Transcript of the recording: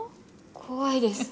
怖いですね。